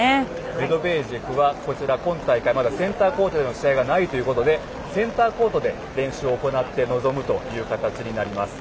メドベージェフは今大会センターコートの試合がないということで練習を行って臨むという形になります。